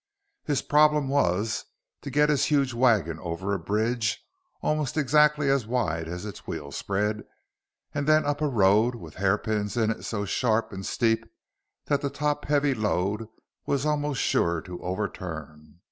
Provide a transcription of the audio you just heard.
His problem was to get his huge wagon over a bridge almost exactly as wide as its wheel spread and then up a road with hairpins in it so sharp and steep that the top heavy load was almost sure to overturn.